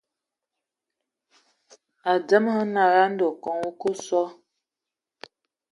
A ndǝŋə hm nala, ndɔ Nkɔg o akǝ sɔ,